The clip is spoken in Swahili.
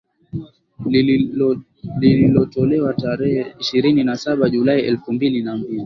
lililotolewa tarehe ishirini na saba Julai elfu mbili na mbili